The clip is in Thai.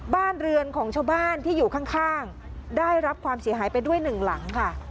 บ้านเรือนของชาวบ้านที่อยู่ข้างได้รับความเสียหายไปด้วยหนึ่งหลังค่ะ